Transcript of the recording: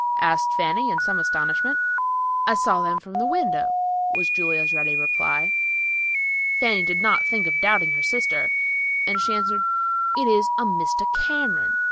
asked Fanny, in some astonishment. "I saw them from the window," was Julia's ready reply. Fanny did not think of doubting her sister, and she answered, "It is a Mr. Cameron.